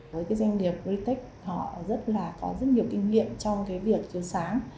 với doanh nghiệp vitek họ rất là có rất nhiều kinh nghiệm trong việc chiều sáng